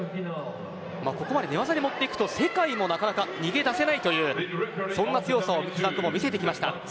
ここまで寝技で持っていくと世界もなかなか逃げ出せないという強さを舟久保、見せてきました。